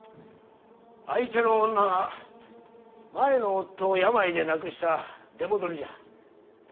相手の女は前の夫を病で亡くした出戻りじゃ。